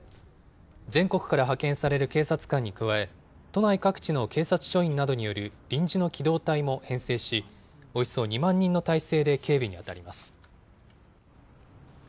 全国から派遣される警察官に加え、都内各地の警察署員などによる臨時の機動隊も編成し、およそ２万人の態勢で警備に当たります。